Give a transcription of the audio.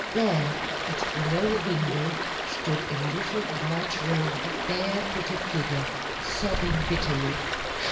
There, at the low window, stood a little white robed, bare footed figure, sobbing bitterly.